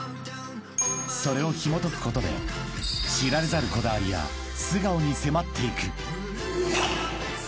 ［それをひもとくことで知られざるこだわりや素顔に迫っていく］